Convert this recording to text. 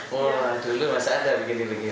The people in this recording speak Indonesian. wah dulu mas ada begini begini